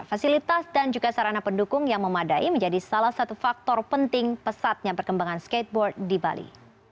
fasilitas dan juga sarana pendukung yang memadai menjadi salah satu faktor penting pesatnya perkembangan skateboard di bali